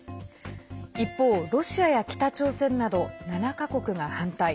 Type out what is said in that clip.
一方、ロシアや北朝鮮など７か国が反対。